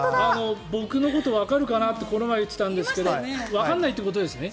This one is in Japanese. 僕のことわかるかなと前に言ってたんですがわからないということですね。